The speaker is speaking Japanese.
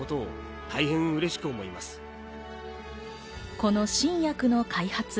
この新薬の開発。